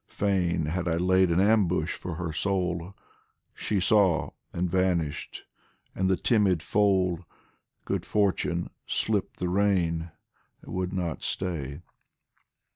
Fain had I laid an ambush for her soul, She saw and vanished, and the timid foal, Good Fortune, slipped the rein and would not stay.